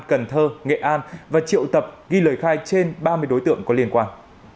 cần thơ nghệ an và triệu tập ghi lời khai trên ba mươi đối tượng có liên quan